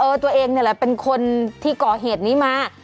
เออตัวเองเป็นคนที่ก่อเหตุนี้มา